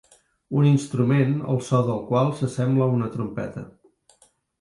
Un instrument el so del qual s'assembla a una trompeta